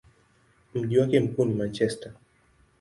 Mji wake mkuu ni Manchester.